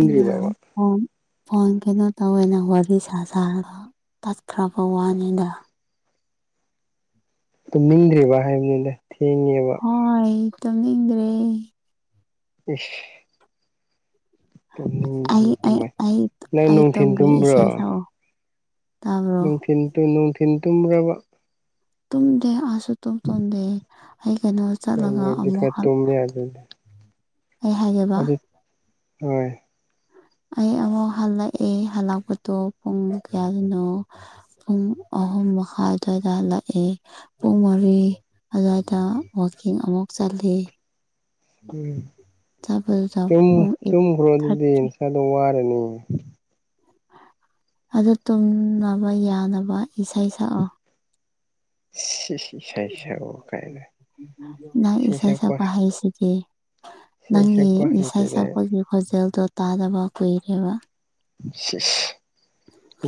ꯑꯩꯅ phone phone ꯀꯩꯅꯣ ꯇꯧꯋꯦꯅ ꯋꯥꯔꯤ ꯁꯥ ꯁꯥꯔꯒ ꯇꯠꯈ꯭ꯔꯕ ꯋꯥꯅꯤꯗ ꯇꯨꯝꯅꯤꯡꯗ꯭ꯔꯤꯕ ꯍꯥꯏꯕꯅꯤꯅ ꯊꯦꯡꯉꯦꯕ ꯍꯣꯏ ꯇꯨꯝꯅꯤꯡꯗ꯭ꯔꯦ ꯏꯁ ꯑꯩ ꯑꯩ ꯀꯃꯥꯏ ꯑꯩ ꯅꯪ ꯑꯩ ꯅꯨꯡꯊꯤꯟꯜ ꯇꯨꯝꯒꯦ ꯇꯨꯝꯕ꯭ꯔꯣ ꯏꯁꯩ ꯁꯛꯑꯣ ꯇꯥꯕ꯭ꯔꯣ ꯅꯨꯡꯊꯤꯟ ꯅꯨꯡꯊꯤꯟ ꯇꯨꯝ꯭ꯔꯕ ꯇꯨꯝꯗꯦ ꯑꯥꯁꯨ ꯇꯨꯝ ꯇꯨꯝꯗꯦ ꯑꯩ ꯀꯩꯅꯣ ꯆꯠꯂꯒ ꯀꯩꯅꯣꯗꯤ ꯑꯃꯨꯛ ꯈꯔ ꯇꯨꯝ ꯌꯥꯗꯗꯤ ꯑꯩ ꯍꯥꯏꯌꯕ ꯍ [inaudible] ꯑꯩ ꯑꯃꯨꯛ ꯍꯜꯂꯛꯑꯦ ꯍꯜꯂꯛꯄꯗꯨꯣ ꯄꯨꯡ ꯀꯌꯥꯗꯅꯣ ꯄꯨꯡ ꯑꯍꯨꯝ ꯃꯈꯥ ꯑꯗꯨꯋꯥꯏꯗ ꯂꯥꯛꯑꯦ ꯄꯨꯡ ꯃꯔꯤ ꯑꯗꯨꯋꯥꯏꯗ ꯋꯥꯛꯀꯤꯡ ꯑꯃꯨꯛ ꯆꯠ ꯇꯂꯦ ꯎꯝ ꯇ ꯄꯨꯡ ꯑꯩꯠ ꯇꯨꯝꯈ꯭ꯔꯣ ꯊꯥꯔꯇꯤ ꯑꯗꯨꯗꯤ ꯏꯁꯗ ꯋꯥꯠ ꯅꯤ ꯑꯗꯨ ꯇꯨꯝꯅꯕ ꯌꯥꯅꯕ ꯏꯁꯩ ꯁꯛꯑꯣ ꯁꯤ ꯅꯪ ꯏꯁꯩ ꯏꯛꯄ ꯍꯩꯁꯤꯗꯤ ꯏꯁꯩ ꯅꯪꯒꯤ ꯁꯛꯄ ꯏꯁꯥ ꯍꯩꯇꯦꯗ ꯏꯁꯛꯄꯠꯒꯤ ꯈꯣꯟꯖꯦꯜꯗꯣ ꯇꯥꯗꯕ ꯀꯨꯏꯔꯦꯕ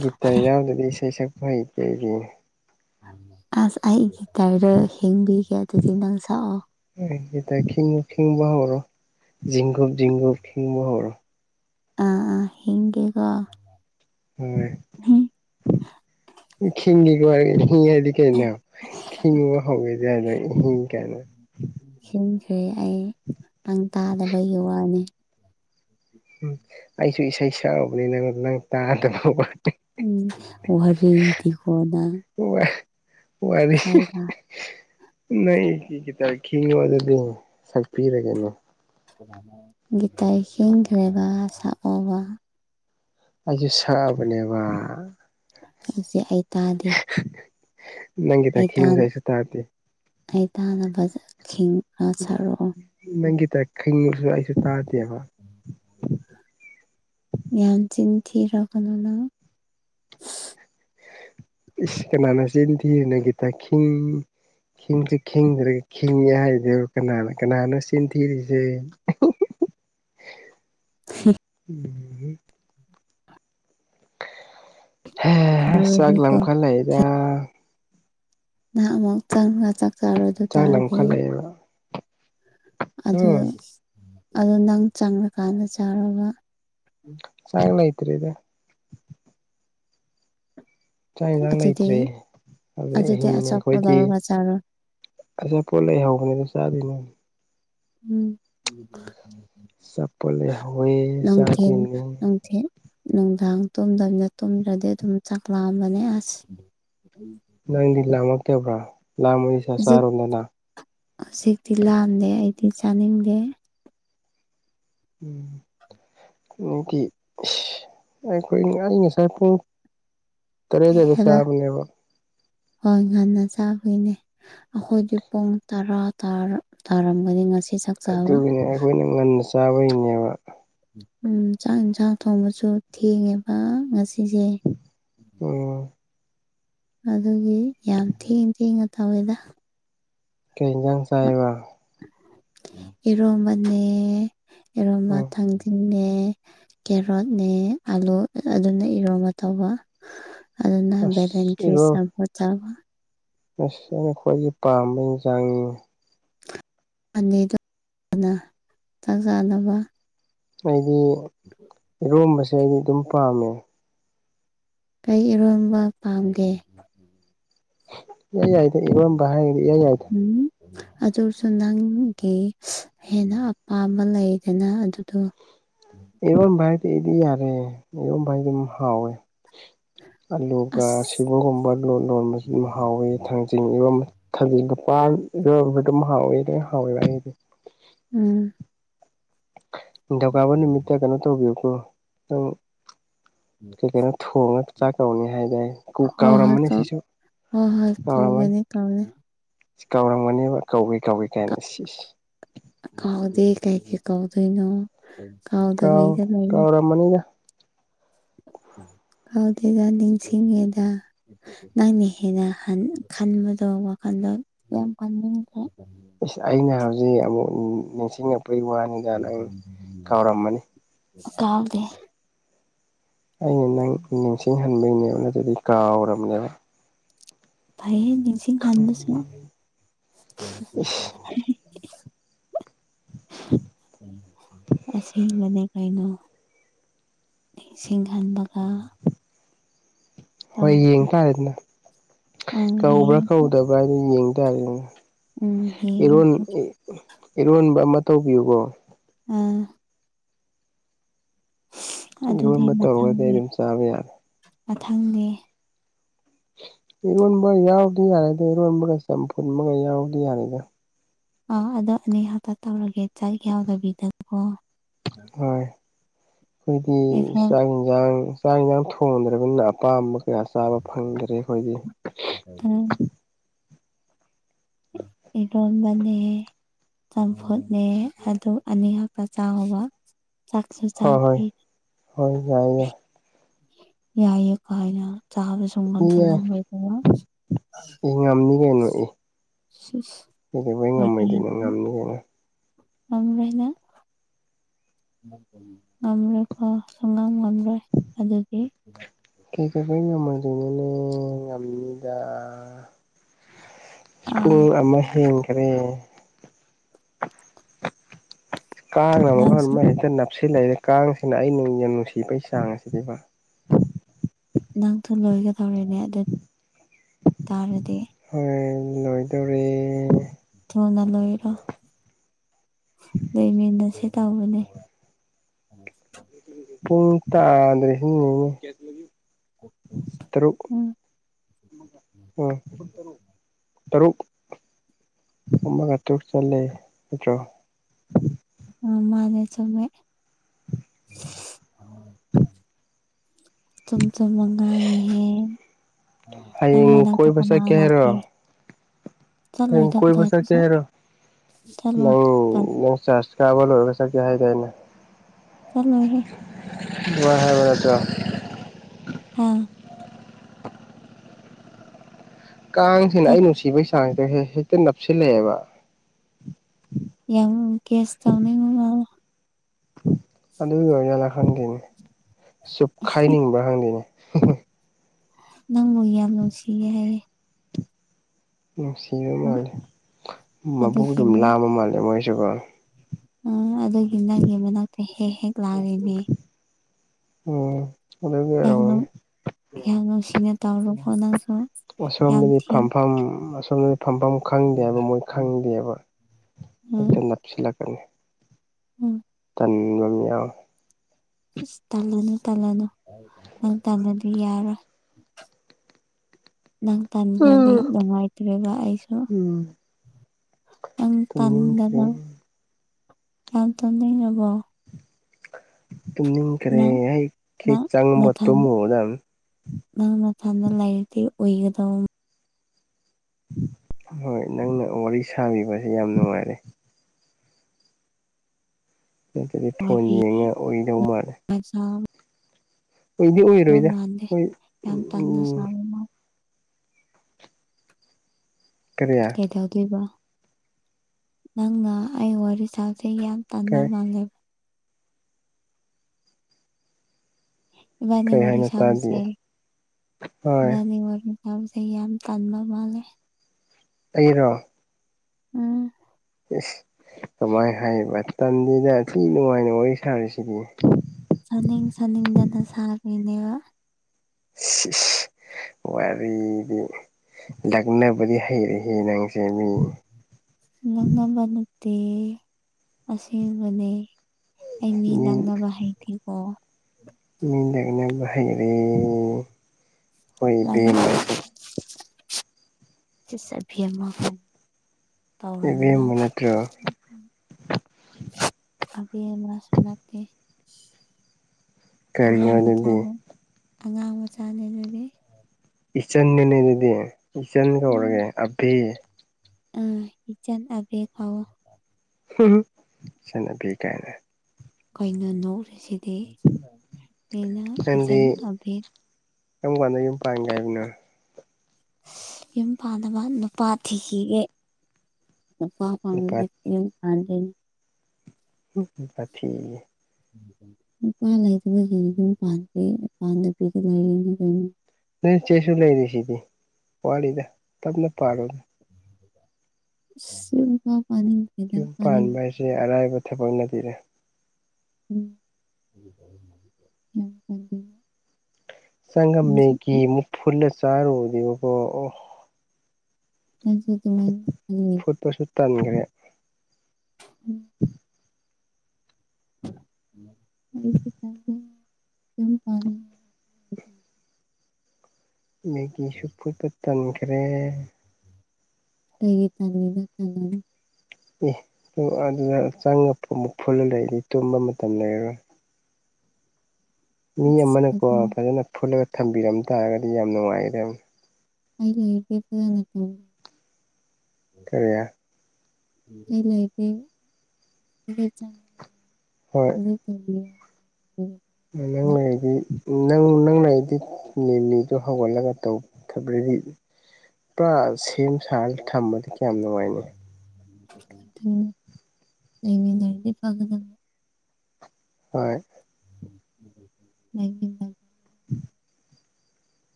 ꯒꯤꯇꯔ ꯌꯥꯎꯗꯗꯤ ꯏꯁꯩ ꯁꯛꯄ ꯍꯩꯇꯦ ꯑꯩꯗꯤ ꯑꯁ ꯑꯩꯒꯤ ꯇꯥꯔꯗ ꯍꯦꯡꯕꯤꯒꯦ ꯑꯗꯨꯗꯤ ꯅꯪ ꯁꯛꯑꯣ ꯒꯤꯇꯔ ꯈꯤꯡꯉꯨ ꯈꯤꯡꯕ ꯍꯧꯔꯣ ꯖꯤꯡꯒꯨꯞ ꯖꯤꯡꯒꯨꯞ ꯈꯤꯡꯕ ꯍꯧꯔꯣ ꯑ ꯑ ꯈꯤꯡꯒꯦꯀꯣ ꯍꯣꯏ ꯈꯤꯡꯗ ꯍꯉꯔꯗꯤ ꯀꯩꯅ ꯈꯤꯉ ꯍ ꯌꯥꯅ ꯍꯤꯡ ꯀꯅ ꯁꯤꯟꯈ꯭ꯔꯦ ꯑꯩ ꯅꯪ ꯇꯥꯗꯕꯒꯤ ꯋꯥꯅꯤ ꯎꯝ ꯑꯩꯁꯨ ꯏꯁꯩ ꯁꯛꯎꯕꯅꯤ ꯅꯪꯟ ꯅꯪ ꯇꯥꯗꯕ ꯋꯥꯔꯤꯗꯤꯀꯣ ꯅꯪ ꯋꯥꯔꯤ ꯁꯩꯗ ꯅ ꯇꯈꯤ ꯋꯥ ꯑꯗꯨꯗꯤ ꯁꯛꯄꯤꯔꯒꯦꯅꯤ ꯒꯤꯇꯥꯔ ꯈꯤꯡꯈ꯭ꯔꯦꯕ ꯁꯛ ꯑꯣ ꯕ ꯑꯖꯤ ꯁꯥꯕꯅꯦꯕ ꯑꯁꯤ ꯑꯩ ꯇꯥꯗꯦ ꯅꯪꯒꯤꯗ ꯑꯩ ꯈꯤꯝ ꯇꯥꯅ ꯁꯥꯏ ꯁ ꯇꯥꯗꯤ ꯑꯩ ꯇꯥꯅꯕꯖꯁꯤꯡ ꯎ ꯅꯪꯒꯤ ꯇ ꯈꯤꯡꯁꯨ ꯑꯩꯁꯨ ꯇꯥꯗꯦꯕ ꯌꯥꯝ ꯆꯤꯜ ꯊꯤꯔꯀꯅꯦꯅ ꯏꯁ ꯀꯅꯥꯅ ꯆꯤꯟ ꯊꯤꯔꯤꯅ ꯒꯤꯇꯥꯔ ꯈꯤꯡ ꯈꯤꯡꯁꯨ ꯈꯤꯗ꯭ꯔꯒ ꯈꯤꯡꯉꯦ ꯍꯥꯏꯗꯦꯕ ꯀꯅꯥꯅ ꯀꯅꯥꯅꯣ ꯆꯦꯟꯊꯤꯔꯤꯁꯦ ꯍꯝ ꯑꯒꯤ [unintelligible] ꯍ ꯆꯥꯛ ꯇꯧꯔꯗꯤꯀꯣ ꯂꯥꯃꯈꯠꯂꯛ ꯏ ꯗ ꯅꯍꯥꯛ ꯑꯃꯨꯛ ꯆꯪꯒ ꯆꯥꯛ ꯆꯥꯔꯨ ꯑꯗꯨ ꯆꯥꯛ ꯇꯥꯔꯗꯤ ꯂꯝꯈꯠꯂꯛꯑꯦꯕ ꯑꯗꯨ ꯎꯝ ꯑꯗꯨ ꯅꯪ ꯆꯪꯉꯀꯥꯟꯗ ꯆꯥꯔꯣꯕ ꯆꯥꯀ ꯂꯩꯇ꯭ꯔꯦꯗ ꯆꯥꯡ ꯏꯟꯁꯥꯡ ꯑꯗꯨꯗꯤ ꯂꯩꯇ꯭ꯔꯦ ꯑꯗꯨꯗꯤ ꯑꯍꯤꯡꯅꯦ ꯑꯆꯥꯄꯣꯠ ꯑꯩꯈꯣꯏꯗꯤ ꯂꯧꯔꯒ ꯆꯥꯔꯣ ꯑꯁꯦ ꯄꯣ ꯂꯩ ꯍꯕꯅꯦ ꯑꯗꯨ ꯆꯥꯗꯣꯅꯦ ꯎꯝ ꯆꯄꯂ ꯍ ꯅꯨꯡꯊꯤꯟ ꯆꯥꯗꯅꯤ ꯅꯨꯡꯊꯤꯟ ꯅꯨꯡꯗꯥꯡ ꯇꯨꯝꯗꯕꯅ ꯇꯨꯝꯗ꯭ꯔꯗꯤ ꯑꯗꯨꯝ ꯆꯥꯛꯂꯥꯑꯝꯕꯅꯦ ꯑꯁ ꯂ ꯃꯅꯤꯁ ꯍꯧꯖꯤꯛ ꯁꯔꯣꯗꯅꯥ ꯍꯧꯖꯤꯛꯇꯤ ꯂꯥꯟꯗꯦ ꯑꯩꯗꯤ ꯆꯥꯅꯤꯡꯗꯦ ꯎꯝ ꯗꯤ ꯏꯁ [unintelligible] ꯉꯁꯥꯏ ꯄꯨꯡ ꯇꯔꯦꯠ ꯀꯩ ꯑꯗꯥꯏꯗ ꯍꯥꯏꯕ ꯁꯥꯕꯅꯦꯕ ꯍꯣꯏ ꯉꯟꯅ ꯆꯥꯕꯒꯤꯅꯦ ꯑꯩꯈꯣꯏꯗꯤ ꯄꯨꯡ ꯇꯔꯥ ꯇꯥꯔꯝꯒꯅꯤ ꯉꯁꯤ ꯆꯥꯛ ꯆꯥꯕ ꯑꯗꯨꯒꯤꯅꯦ ꯑꯩꯈꯣꯏꯅ ꯉꯟꯅ ꯆꯥꯕꯒꯤꯅꯦꯕ ꯎꯝ ꯆꯥꯛ ꯏꯟꯁꯥꯡ ꯊꯣꯡꯕꯁꯨ ꯊꯦꯡꯉꯦꯕ ꯉꯁꯤ ꯎꯝ ꯑꯗꯨꯒꯤ ꯌꯥꯝ ꯊꯦꯡ ꯊꯦꯡꯅ ꯇꯧꯋꯦꯗ ꯀꯩꯖꯪ ꯆꯥꯏꯕ ꯏꯔꯣꯝꯕꯅꯦ ꯏꯔꯣꯝꯕ ꯎꯝ ꯊꯥꯡꯖꯤꯡꯅꯦ ꯀꯦꯔꯣꯠꯅꯦ ꯑꯂꯨ ꯑꯗꯨꯅ ꯏꯔꯣꯟꯕ ꯇꯧꯕ ꯑꯗꯨꯅ ꯑꯁ ꯏꯕꯣ ꯚꯦꯂꯦꯟꯇ꯭ꯔꯤꯁ ꯑꯃꯐ ꯆꯥꯎꯕ ꯑꯁ ꯑꯩꯅ ꯈ꯭ꯋꯥꯏꯗꯒꯤ ꯄꯥꯝꯕ ꯌꯦꯟꯁꯥꯡꯅꯤ ꯑꯅꯤꯗꯨꯅ ꯆꯥꯛ ꯆꯥꯅꯕ ꯑꯩꯗꯤ ꯏꯔꯣꯝꯕꯁꯦ ꯑꯩꯗꯤ ꯑꯗꯨꯝ ꯄꯥꯝꯃꯦ ꯀꯩ ꯏꯔꯣꯟꯝꯕ ꯄꯥꯝꯒꯦ ꯌ ꯍꯥꯏꯥꯏ ꯏꯉꯣꯟꯝꯕꯗꯤ ꯌꯦ ꯍꯥꯏꯥꯏꯗ ꯎꯝ ꯑꯗꯨꯁꯨ ꯅꯪꯒꯤ ꯍꯦꯟꯅ ꯑꯄꯥꯝꯕ ꯂꯩꯗꯅ ꯑꯗꯨꯗꯣ ꯎꯝ ꯏꯕꯣꯟ ꯥꯏꯗꯤ ꯑꯩꯗꯤ ꯌꯥꯔꯦ ꯏꯕꯣꯟ ꯥꯏꯗꯤ ꯑꯗꯨꯝ ꯍꯥꯎꯋꯦ ꯑꯂꯨꯒ ꯑꯁ ꯑꯁꯤꯕꯒꯨꯝꯕ ꯂꯣꯟ ꯂꯣꯟꯕꯕꯁꯤ ꯍꯥꯎꯋꯤ ꯊꯥꯡꯖꯤꯡꯉꯤꯕ ꯊꯖꯤ ꯄꯥꯟ ꯌꯣꯏꯕ ꯑꯗꯨꯝ ꯍꯥꯎꯋꯦ ꯑꯗꯨ ꯍꯥꯎꯋꯦꯕ ꯑꯩꯗꯤ ꯎꯝ ꯅꯤꯡꯊꯧꯀꯥꯕ ꯅꯨꯃꯤꯠꯇ ꯀꯩꯅꯣ ꯇꯧꯕꯤꯌꯨꯀꯣ ꯆꯡ ꯀꯩ ꯀꯩꯅꯣ ꯊꯣꯡꯉ ꯆꯥꯛ ꯇꯧꯅꯤ ꯍꯥꯏꯗꯥꯏ ꯀꯨ ꯍꯣꯏ ꯍꯣꯏ ꯀꯥꯎꯔꯝꯃꯅꯤ ꯀꯧ ꯁꯤꯁꯨ ꯍꯣꯏ ꯍꯣꯏ ꯀꯧꯒꯅꯤ ꯀꯥꯎꯅꯤ ꯀꯥꯎꯔꯝꯒꯅꯤꯕꯥ ꯀꯧꯏ ꯀꯧꯏ ꯀꯥꯏꯅ ꯀꯩꯒꯤ ꯀꯥꯎꯗꯣꯏꯅꯣ ꯀꯥꯎ ꯀꯥꯎꯗꯕꯤꯗ ꯂꯩꯌꯦ ꯀꯥꯎꯔꯝꯃꯅꯤꯗ ꯀꯥꯎꯗꯦꯗ ꯅꯤꯡꯁꯤꯡꯉꯤꯗ ꯅꯪꯅ ꯍꯦꯟꯅ ꯈꯟꯕꯗꯣ ꯋꯥꯈꯟꯗꯣ ꯌꯥꯝ ꯈꯟꯅꯤꯡꯈ꯭ꯔꯦ ꯏꯁ ꯑꯩꯅ ꯍꯧꯖꯤꯛ ꯑꯃꯨꯛ ꯅꯤꯡꯁꯤꯡꯉꯛ ꯀꯩ ꯋꯥꯍꯥꯏꯅꯤꯡꯖꯅꯣ ꯑꯩ ꯀꯥꯎꯔꯝꯃꯅꯤ ꯀꯥꯎꯗꯦ ꯑꯩꯅ ꯅꯪ ꯅꯤꯡꯁꯤꯡꯍꯟꯕꯩꯅꯦꯕ ꯅꯠꯠꯔꯗꯤ ꯀꯥꯎꯔꯕꯅꯦꯕ ꯐꯩꯌꯦ ꯅꯤꯡꯁꯤꯡ ꯈꯪꯕ ꯍꯟꯕꯥꯁꯤꯅ ꯏꯁ ꯑꯁꯦꯡꯕꯅꯦ ꯀꯩꯅꯣ ꯁꯤꯡꯒꯟ ꯃꯈꯥ ꯍꯣꯏ ꯌꯦꯡ ꯇꯥꯔꯦꯗꯅ ꯎꯝ ꯀꯧꯕ꯭ꯔꯥ ꯌꯦꯡ ꯀꯧꯗꯕ꯭ꯔꯥ ꯍꯥꯏꯅ ꯌꯦꯡ ꯇꯥꯔꯦꯗꯅ ꯎꯝ ꯏꯔꯣꯟ ꯌꯦꯡꯉꯁꯦ ꯏꯔꯣꯟꯕ ꯑꯃ ꯇꯧꯕꯤꯌꯨꯀꯣ ꯑꯝ ꯑꯗꯨꯗꯤ ꯏꯔꯣꯟꯕ ꯇꯧꯔꯒꯗꯤ ꯑꯩ ꯃꯊꯪꯅꯤ ꯑꯗꯨꯝ ꯆꯥꯕ ꯌꯥꯔꯦ ꯃꯊꯪꯗꯤ ꯏꯔꯣꯟꯕ ꯌꯥꯎꯗꯤ ꯌꯥꯗꯦꯕꯥ ꯏꯔꯣꯟꯕꯒ ꯆꯝꯐꯨꯜ ꯑꯃꯒ ꯌꯥꯎꯗꯤ ꯌꯥꯔꯦꯏꯗ ꯑꯥ ꯑꯗꯣ ꯑꯅꯤ ꯍꯞꯇꯥ ꯇꯧꯔꯒꯦ ꯆꯥꯛ ꯌꯥꯎꯗꯕꯤꯗꯀꯣ ꯍꯣꯏ ꯑꯩꯈꯣꯏꯗꯤ ꯏꯔꯣꯟꯕ ꯆꯥꯛ ꯌꯦꯟꯁꯥꯡ ꯆꯥꯛ ꯌꯦꯟꯁꯥꯡ ꯊꯣꯡꯗ꯭ꯔꯕꯅꯤꯅ ꯑꯄꯥꯝꯕ ꯀꯌꯥ ꯆꯥꯕ ꯐꯪꯗ꯭ꯔꯦ ꯑꯩꯈꯣꯏꯗꯤ ꯏꯔꯣꯟꯕꯅꯦ ꯆꯝꯐꯨꯠꯅꯦ ꯑꯗꯨ ꯑꯅꯤꯍꯛꯇ ꯆꯥꯎꯕ ꯁꯥꯛꯁꯨ ꯍꯣꯏ ꯍꯣꯏ ꯆꯔꯥꯒꯦ ꯍꯣꯏ ꯌꯥꯏ ꯌꯥꯏ ꯌꯥꯏ ꯀꯥꯏꯅꯥ ꯆꯥꯕ ꯏ ꯁꯨꯡꯉꯝꯁꯨ ꯌꯥꯏ ꯉꯝꯃꯣꯏꯗꯕ ꯏ ꯉꯝꯅꯤ ꯀꯩꯅꯣ ꯏ ꯁꯤꯁ ꯀꯩꯗꯧꯕꯩ ꯉꯝꯃꯣꯏꯗꯣꯏꯅꯣ ꯋ꯭ꯊꯤꯗꯤ ꯉꯝꯅꯤ ꯀꯩꯅꯣ ꯉꯝꯃꯦꯅ ꯉꯝꯂꯣꯏꯀꯣ ꯁꯨꯉꯝ ꯉꯝꯂꯣꯏ ꯑꯗꯨꯗꯤ ꯑꯩꯩ ꯉꯝꯃꯣꯏꯗꯣꯏꯅꯥꯅꯦ ꯉꯝꯅꯤꯗ ꯑꯥ ꯁꯄꯨꯡ ꯑꯃ ꯍꯦꯟꯈꯔꯦ ꯀꯥꯡꯅꯥ ꯃꯔꯣꯟ ꯅꯪꯁꯨ ꯑꯃꯥ ꯍꯦꯛꯇꯥ ꯅꯄ ꯁꯤ ꯂꯩꯔꯦ ꯀꯥꯡꯁꯤꯅ ꯑꯩꯅꯨꯡ ꯌꯥꯝ ꯅꯨꯡꯁꯤꯕꯩ ꯆꯥꯡ ꯑꯁꯤꯗꯤꯕꯥ ꯅꯪ ꯊꯝ ꯂꯣꯏꯒ ꯇꯧꯔꯦꯅꯦ ꯑꯗꯨ ꯇꯥꯔꯗꯤ ꯂꯣꯏꯗꯧꯔꯤ ꯊꯨꯅ ꯂꯣꯏꯔꯣ ꯂꯣꯏꯃꯤꯟꯅꯁꯤ ꯇꯎꯅꯦ ꯄꯨꯡ ꯇꯥꯗ꯭ꯔꯤꯁꯤꯅꯤꯅꯦ ꯎꯝ ꯎꯝꯨ ꯇꯔꯨꯛ ꯑꯃꯒꯥ ꯇꯥꯔꯨꯛ ꯆꯠꯂꯦ ꯅꯠꯇꯔꯣ ꯑꯝ ꯃꯥꯅꯦ ꯆꯨꯝꯃꯦ ꯆꯨꯝꯆꯨꯝꯅ ꯉꯥꯡꯉꯤꯍꯦ ꯅꯪ ꯃꯥ ꯍꯌꯦꯡ ꯅꯥꯛꯇ ꯀꯣꯏꯕ ꯀꯅꯥ ꯂꯥꯛꯀꯦ ꯍꯩꯔꯣꯛ ꯆꯠꯂꯣꯏꯗ ꯀꯣꯏꯕ ꯀꯗꯥꯏꯗ ꯆꯠꯀꯦ ꯆꯠ ꯍꯥꯏꯔꯣ ꯆꯠꯂꯣꯏ ꯂꯧꯔꯣ ꯀꯗꯥꯏꯗ ꯂꯥꯎ ꯆꯁ ꯆꯥꯕꯥ ꯂꯣꯏꯔꯒ ꯆꯠꯀꯦ ꯍꯥꯏꯗꯥꯏꯅꯦ ꯆꯂꯣꯏ ꯍꯦ ꯋꯥ ꯋꯥꯔꯇ ꯑꯥ ꯀꯥꯡꯁꯤꯅ ꯆꯠ ꯑꯩ ꯅꯨꯡꯁꯤꯕꯒꯤ ꯆꯥꯡꯁꯤꯗ ꯍꯦꯛꯇ ꯅꯞꯁꯤꯜꯂꯛꯑꯦꯕ ꯌꯥꯝ ꯀꯦꯁ ꯇꯧꯅꯤꯉ ꯑꯗꯨꯒꯤꯅ ꯈꯪꯗꯣꯏꯅꯦ ꯆꯨꯞꯈꯥꯏꯅꯤꯡꯕ ꯈꯪꯗꯣꯏꯅꯦ ꯍ ꯅꯪꯕꯨ ꯌꯥꯝ ꯅꯨꯡꯁꯤꯌꯦ ꯍꯥꯏꯌꯦꯦ ꯅꯨꯡꯁꯤꯕ ꯃꯥꯜꯂꯦ ꯃꯕꯨ ꯑꯗꯨꯒꯤ ꯑꯗꯨꯝ ꯂꯥꯝꯕ ꯃꯥꯜꯂꯦ ꯃꯣꯏꯁꯨꯀꯣ ꯑ ꯑꯗꯨꯒꯤ ꯅꯪꯒꯤ ꯃꯅꯥꯛꯇ ꯍꯦꯛ ꯍꯦꯛ ꯂꯥꯛꯂꯤꯅꯦ ꯎꯝ ꯑꯣꯗꯒꯤ ꯑꯔꯥꯎꯅꯦ ꯌꯥꯝꯍꯥꯛ ꯅꯨꯡꯁꯤꯅ ꯇꯧꯔꯣꯀꯣ ꯅꯪꯁꯨ ꯌꯥꯝ ꯊꯤ ꯁꯣꯝꯅꯗꯤ ꯐꯝꯐꯝ ꯈꯪꯗꯦ ꯍꯥꯏꯕ ꯃꯣꯏ ꯈꯪꯗꯦꯕ ꯎꯝ ꯍꯦꯛꯇ ꯅꯞꯁꯤꯜꯂꯛꯀꯅꯤ ꯎꯝ ꯎꯝ ꯉꯝ ꯌꯥ ꯑꯁ ꯇꯜꯂꯅꯨ ꯇꯜꯂꯅꯨ ꯅꯪ ꯇꯜꯂꯗꯤ ꯌꯥꯔꯣꯏ ꯅꯪ ꯇꯥꯟꯈ꯭ꯔꯗꯤ ꯅꯨꯡꯉꯥꯏꯇ꯭ꯔꯦꯕ ꯑꯩꯁꯨ ꯎꯝ ꯑ ꯇꯨꯝꯅꯤꯡꯈ꯭ꯔꯦ ꯇꯥꯟꯗꯅ ꯌꯥ ꯇꯅ ꯅꯕꯣ ꯇꯨꯝꯅꯤꯡꯈ꯭ꯔꯦ ꯍꯦꯛ ꯍꯦꯛ ꯅꯪ ꯆꯪꯕ ꯅꯊꯟ ꯇꯨꯝꯃꯨꯗꯥꯝ ꯅꯪ ꯃ ꯆꯥꯟꯗ ꯂꯥꯏꯔꯤꯇ ꯑꯣꯏꯒꯗ ꯍꯣꯏ ꯅꯪꯅ ꯋꯥꯔꯤ ꯁꯥꯕꯤꯕꯁꯦ ꯌꯥꯝ ꯅꯨꯡꯉꯥꯏꯔꯦ ꯅꯠꯇꯗꯤ ꯊꯣꯟ ꯋꯥꯔꯤꯗꯤ ꯌꯦꯡꯉ ꯑꯣꯏꯗꯧ ꯃꯥꯅꯦ ꯌꯥꯝ ꯁꯥꯕ ꯍꯣꯏꯗꯤ ꯍꯣꯏꯔꯣꯏꯗ ꯃꯥꯟꯗꯦ ꯍꯣꯏ ꯌꯥꯝ ꯇꯟꯅ ꯎꯝ ꯁꯥꯕ ꯃꯥꯜꯂꯦ ꯀꯔꯤ ꯀꯩꯗꯧꯗꯣꯏꯕ ꯅꯪꯅ ꯑꯩ ꯋꯥꯔꯤ ꯁꯥ ꯑꯒ ꯌꯥꯝ ꯇꯥꯟꯕ ꯀꯩ ꯃꯥꯜꯂꯦꯕ ꯏꯕꯥꯅꯤ ꯀꯩ ꯋꯥꯔꯤ ꯍꯥꯏꯅꯣ ꯇꯥꯗꯤꯌꯦ ꯍꯣꯏ ꯁꯝꯁꯦꯕꯥꯅꯤ ꯋꯥ ꯉꯁꯦ ꯌꯥꯝ ꯇꯟꯕ ꯃꯥꯜꯂꯦ ꯑꯩꯔꯣ ꯎꯝ ꯑꯦꯁ ꯀꯃꯥꯏꯅ ꯍꯥꯏꯕ ꯇꯝꯗꯅ ꯑꯤ ꯅꯨꯡꯉꯥꯏꯅ ꯋꯥꯔꯤ ꯁꯥꯔꯤꯁꯤꯗꯤ ꯁꯅꯤꯡ ꯁꯅꯤꯡꯗꯅ ꯁꯥꯕꯤꯅꯦꯕ [inaudible] ꯋꯥꯔꯤꯗꯤ ꯂꯛꯅꯕꯗꯤ ꯍꯩꯔꯦꯍꯦ ꯅꯪꯁꯦ ꯃꯤ ꯗ ꯑꯁꯦꯡꯕꯅꯦ ꯑꯩ ꯃꯤ ꯅꯪꯅꯕ ꯍꯩꯇꯦꯀꯣ ꯃꯤ ꯂꯛꯅꯕ ꯍꯩꯔꯦ ꯈꯣꯏ ꯏꯕꯦꯃꯁꯦ ꯁꯤꯁꯕꯤꯌ ꯑꯃꯍ ꯇꯧꯔꯅꯤꯅ ꯏꯕꯦꯝꯃ ꯅꯠꯇ꯭ꯔꯣ ꯑꯕꯤ ꯃꯥ ꯁꯨ ꯅꯠꯇꯦ ꯀꯔꯤꯅꯣ ꯑꯉꯥꯡ ꯑꯗꯨꯗꯤ ꯃꯆꯥꯅꯦ ꯑꯉꯥꯡ ꯃꯆꯥꯅꯦ ꯅꯣꯏꯗꯤ ꯏꯆꯟꯗꯅꯦ ꯑꯗꯨꯗꯤ ꯏꯆꯟ ꯀꯧꯔꯒꯦ ꯑꯕꯤ ꯑ ꯏꯆꯟ ꯑꯕꯦ ꯀꯧꯔꯣ ꯏꯆꯜ ꯑꯕꯦ ꯀꯥꯏꯅ ꯀꯩꯅꯣ ꯅꯣꯛꯔꯤꯁꯤꯗꯤ ꯑꯩꯅ ꯏꯆꯟ ꯍꯥꯕꯤꯠ ꯀꯨꯛ ꯀꯥꯟꯗꯗꯒꯤ ꯌꯨꯝ ꯄꯥꯡꯒꯦ ꯍꯥꯏꯕꯅꯣ ꯌꯨꯝ ꯄꯥꯟꯅꯕ ꯅꯨꯄꯥ ꯊꯤꯈꯤꯒꯦ ꯨꯅꯨꯄꯥ ꯅꯨꯄꯥ ꯐꯪ-ꯒꯗꯤ ꯌꯨꯝ ꯄꯥꯜꯗꯣꯏꯅꯤ ꯝ ꯊꯦ [unintelligible] ꯅꯨꯄꯥ ꯂꯩꯇꯕ ꯑꯗꯨꯝ ꯄꯥꯟꯗ ꯄꯤꯒꯗ꯭ꯔꯅ ꯀꯩꯅꯣ ꯅꯣꯏꯆꯦꯁꯨ ꯂꯩꯔꯤ ꯁꯤꯗꯤ ꯋꯥꯔꯤꯂꯤꯗ ꯇꯞꯅ ꯄꯥꯜꯔꯨꯅꯦ ꯎ ꯌꯨꯝ ꯄꯥꯟꯕ ꯍꯥꯏꯁꯦ ꯑꯔꯥꯏꯕ ꯊꯕꯛꯅꯠꯇꯦꯅꯦ ꯎꯝ ꯆꯪ ꯉ ꯃꯦꯒꯤ ꯑꯃꯨꯛ ꯐꯨꯜꯂ ꯆꯔꯨꯗꯤꯀꯣ ꯑꯣ ꯐꯨꯠꯄꯁꯨ [inaudible] [inaudible] ꯑꯩꯁꯨ ꯆꯪ ꯇꯞꯄꯦ [unintelligible] ꯃꯦꯒꯤ ꯐꯨꯠꯄ ꯇꯟꯈ꯭ꯔꯦ ꯀꯩꯒꯤ ꯇꯟꯂꯤꯅꯣ ꯑꯦ ꯑꯗꯨꯗ ꯆꯪꯉ ꯑꯃꯨꯛ ꯐꯨꯜꯂ ꯂꯩꯗꯤ ꯇꯨꯝꯕ ꯃꯇꯝ ꯂꯩꯔꯔꯣꯏ ꯃꯤ ꯑꯁ ꯑꯃꯅꯀꯣ ꯑꯗꯨꯅ ꯐꯖꯅ ꯐꯨꯠꯂꯒ ꯊꯝꯕꯤꯔꯝ ꯇꯥꯔꯒꯗꯤ ꯌꯥꯝ ꯅꯨꯡꯉꯥꯏꯅꯤ [inaudible] ꯀꯔꯤ [inaudible] ꯍꯣꯏ [inaudible] ꯅꯪ ꯂꯩꯔꯗꯤ ꯅꯪ ꯂꯩꯔ꯭ꯗꯤ ꯃꯤꯃꯤꯗꯣ ꯍꯧꯒꯠꯂꯒ ꯇꯧꯔꯗꯤ ꯄꯨꯔꯥ ꯁꯦꯝ ꯁꯥꯔꯒ ꯊꯝꯕꯗꯤ ꯀꯌꯥꯝ ꯅꯨꯡꯉꯥꯏꯅꯤ [inaudible] ꯍꯣꯏ [inaudible] ꯎꯝ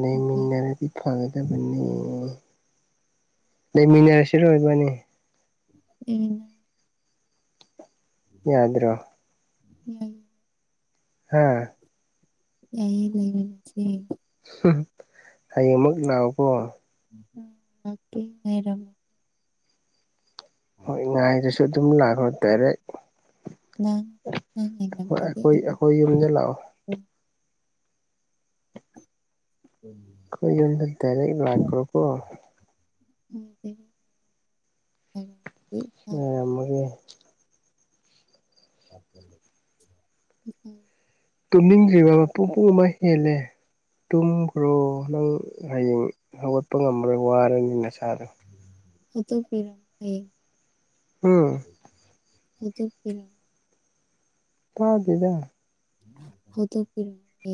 ꯂꯩ ꯎꯄꯥꯏ ꯃꯤꯟꯅꯔꯗꯤ ꯐꯪꯒ ꯂꯩꯃꯤꯅꯔꯁꯤꯔꯣ ꯏꯕꯅꯤ ꯎꯝ ꯌꯥꯗ꯭ꯔꯣ ꯎꯝ ꯍꯥꯥ ꯌꯥꯏ ꯂꯩꯃꯤꯅꯁꯦ ꯍꯌꯦꯡ ꯑꯃꯨꯛ ꯂꯎꯀꯣ ꯂꯥꯛ ꯀꯦ ꯉꯥꯏꯔ꯭ꯝꯃꯣ ꯍꯣꯏ ꯉꯥꯏꯗꯨꯁꯨ ꯑꯗꯨꯝ ꯂꯥꯛꯈ꯭ꯔ ꯗꯥꯏꯔꯦꯛ ꯅꯪ ꯅꯪ ꯉꯥꯏꯔꯝꯗ꯭ꯔꯗꯤ ꯑꯩꯈꯣꯏ ꯑꯩꯗꯤ ꯑꯩꯈꯣꯏ ꯌꯨꯝꯗ ꯂꯥꯛꯑꯣ ꯎꯝ ꯑꯩꯈꯣꯏ ꯌꯨꯝꯗ ꯗꯥꯏꯔꯦꯛ ꯂꯥꯛ꯭ꯈꯨꯔꯣ ꯀꯣ ꯎꯝ ꯉꯥꯏꯔꯝ ꯃꯒꯦ ꯎꯝ ꯇꯨꯝꯅꯤꯡꯗ꯭ꯔꯤꯕ ꯄꯨꯨꯡꯑꯃ ꯍꯦꯜꯂꯦ ꯇꯨꯝꯈ꯭ꯔꯣ ꯅꯪ ꯍꯌꯦꯡ ꯍꯧꯒꯠꯄ ꯉꯝꯃ꯭ꯔꯣꯏ ꯋꯥꯔꯅꯤ ꯅꯁꯥꯗꯣ [inaudible] ꯎꯝ [inaudible] ꯇꯥꯎꯗꯦꯗ ꯍ [inaudible]